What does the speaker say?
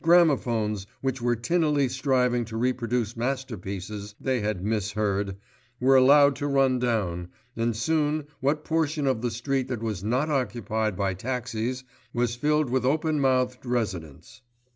Gramophones, which were tinnily striving to reproduce masterpieces they had mis heard, were allowed to run down, and soon what portion of the street that was not occupied by taxis was filled with open mouthed residents.